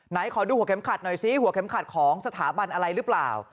ขอดูหัวเข็มขัดหน่อยซิหัวเข็มขัดของสถาบันอะไรหรือเปล่า